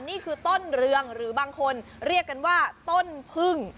นี่คือต้นเรืองหรือบางคนเรียกกันว่าต้นพึ่ง